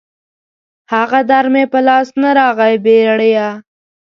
هغه در مې په لاس نه راغی بېړيه